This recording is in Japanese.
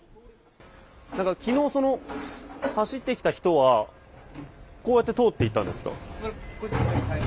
昨日、走ってきた人はこうやって通っていったんですか。